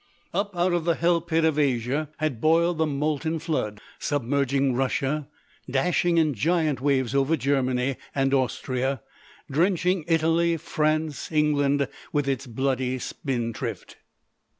Up out of the hell pit of Asia had boiled the molten flood, submerging Russia, dashing in giant waves over Germany and Austria, drenching Italy, France, England with its bloody spindrift.